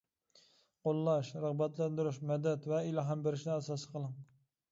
قوللاش، رىغبەتلەندۈرۈش، مەدەت ۋە ئىلھام بېرىشنى ئاساس قىلىڭ.